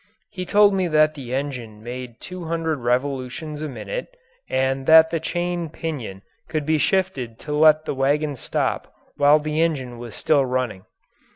He told me that the engine made two hundred revolutions a minute and that the chain pinion could be shifted to let the wagon stop while the engine was still running.